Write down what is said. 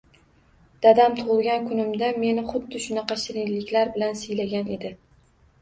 Dadam tug‘ilgan kunimda meni xuddi shunaqa shirinlik bilan siylagan edi